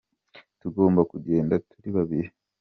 Tugomba kugenda turi babiri.